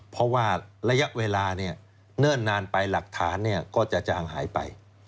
เพราะว่าระยะเวลาเนิ่นนานไปหลักฐานก็จะจางหายไป